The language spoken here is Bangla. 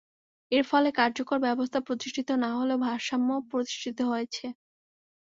এর ফলে কার্যকর ব্যবস্থা প্রতিষ্ঠিত না হলেও ভারসাম্য প্রতিষ্ঠিত হয়েছে।